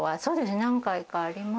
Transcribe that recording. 何回かあります。